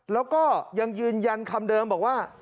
แล้วก็ยังยืนยันคำเดิมบอกว่า